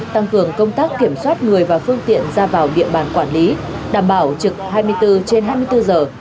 tăng cường công tác kiểm soát người và phương tiện ra vào địa bàn quản lý đảm bảo trực hai mươi bốn trên hai mươi bốn giờ